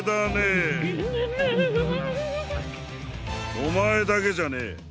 おまえだけじゃねえ。